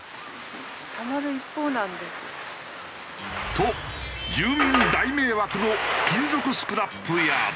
と住民大迷惑の金属スクラップヤード。